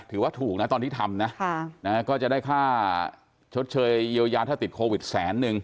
ถือว่าถูกนะตอนที่ทำนะก็จะได้ค่าชดเชยเยียวยาถ้าติดโควิดแสนนึง